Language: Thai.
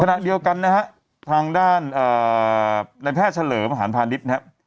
ขณะเดียวกันนะฮะทางด้านในแพทย์เฉลิมอาหารพาณิชย์นะครับ